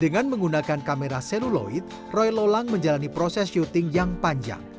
dengan menggunakan kamera seluloid roy lolang menjalani proses syuting yang panjang